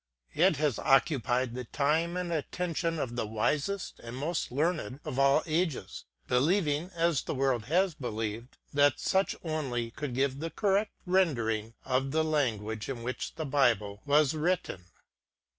It has occupied the time and attention of the wisest and most learned of all ages, believing, as the world has believed, that such only could give the correct rendering of the language in which the Bible was written.